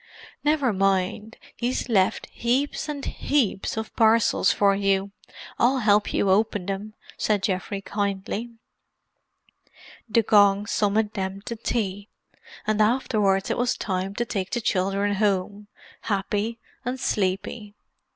"Never mind—he's left heaps and heaps of parcels for you. I'll help you open them," said Geoffrey kindly. The gong summoned them to tea; and afterwards it was time to take the children home, happy and sleepy.